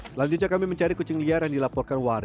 selanjutnya kami mencari kucing liar yang dilaporkan warga